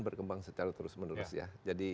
berkembang secara terus menerus ya jadi